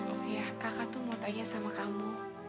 oh iya kakak tuh mau tanya sama kamu